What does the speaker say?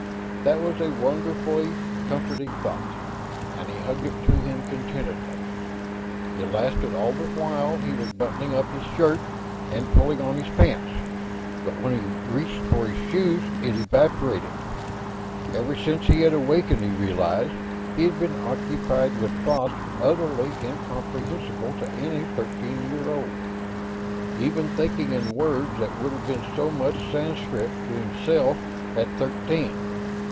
That was a wonderfully comforting thought, and he hugged it to him contentedly. It lasted all the while he was buttoning up his shirt and pulling on his pants, but when he reached for his shoes, it evaporated. Ever since he had wakened, he realized, he had been occupied with thoughts utterly incomprehensible to any thirteen year old; even thinking in words that would have been so much Sanscrit to himself at thirteen.